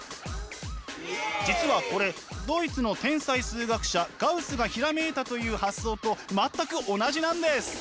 実はこれドイツの天才数学者ガウスがひらめいたという発想と全く同じなんです！